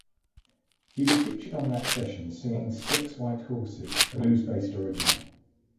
He was featured on that session singing "Six White Horses", a blues-based original.